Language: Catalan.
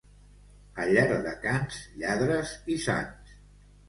A Llardecans, lladres i sants.